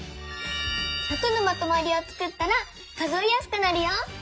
１００のまとまりをつくったら数えやすくなるよ！